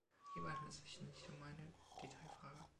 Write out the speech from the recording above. Hierbei handelt es sich nicht um eine Detailfrage.